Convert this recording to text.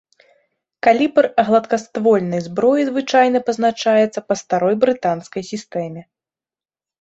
Калібр гладкаствольнай зброі звычайна пазначаецца па старой брытанскай сістэме.